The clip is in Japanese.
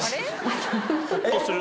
ほっとする。